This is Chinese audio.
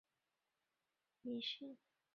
火箭可配备任何必要的延迟引信。